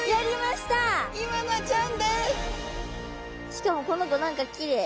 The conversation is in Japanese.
しかもこの子何かきれい。